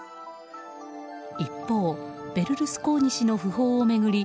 一方ベルルスコーニ氏の訃報を巡り